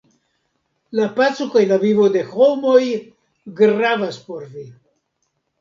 La paco kaj la vivo de homoj gravas por vi.